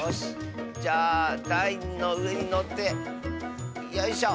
じゃあだいのうえにのってよいしょ。